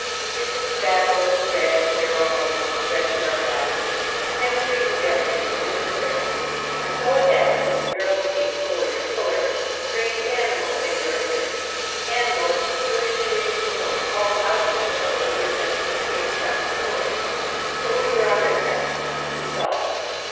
Bits of tobacco, bread, marrow bones, the dregs of our glasses—anything and everything went into the barrel. And so it happened, as the barrel became fuller and fuller, strange animals made their appearance—animals of peculiar shape and form crawled out of the barrel and would attempt to escape across the floor. But we were on their tracks. We saw them.